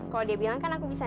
kalau dia bilang kan aku bisa